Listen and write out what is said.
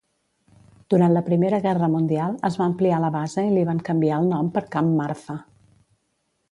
Durant la primera guerra mundial es va ampliar la base i li van canviar el nom per Camp Marfa.